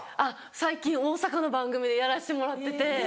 最近大阪の番組でやらせてもらってて。